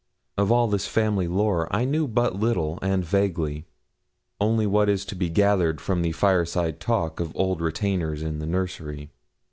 Of all this family lore I knew but little and vaguely; only what is to be gathered from the fireside talk of old retainers in the nursery.